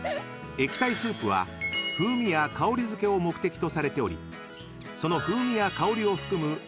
［液体スープは風味や香り付けを目的とされておりその風味や香りを含む］